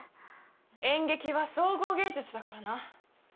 演劇は総合芸術だからな。